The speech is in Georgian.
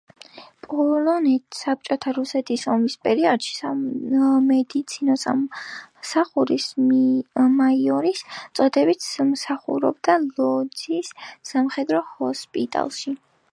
პოლონეთ-საბჭოთა რუსეთის ომის პერიოდში სამედიცინო სამსახურის მაიორის წოდებით, მსახურობდა ლოძის სამხედრო ჰოსპიტალში.